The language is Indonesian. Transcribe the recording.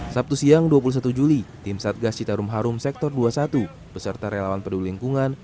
sabtu siang dua puluh satu juli tim satgas citarum harum sektor dua puluh satu beserta relawan peduli lingkungan